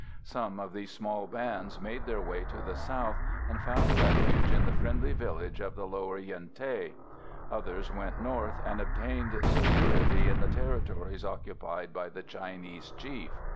Some of these small bands made their way to the south, and found refuge in the friendly villages of the lower Yen Thé; others went north, and obtained security in the territories occupied by the Chinese chief.